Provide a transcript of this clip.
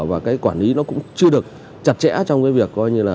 và cái quản lý nó cũng chưa được chặt chẽ trong cái việc coi như là